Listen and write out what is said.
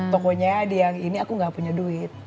pokoknya dia ini aku gak punya duit